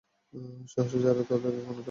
সাহসী যারা, তারা এখানে থাকো।